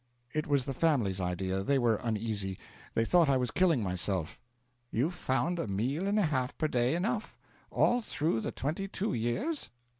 'It was the family's idea. They were uneasy. They thought I was killing myself.' 'You found a meal and a half per day enough, all through the twenty two years?'